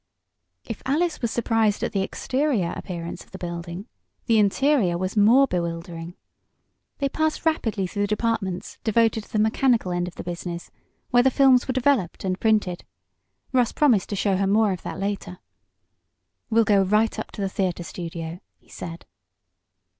If Alice was surprised at the exterior appearance of the building the interior was more bewildering. They passed rapidly through the departments devoted to the mechanical end of the business where the films were developed and printed. Russ promised to show her more of that later. "We'll go right up to the theatre studio," he said.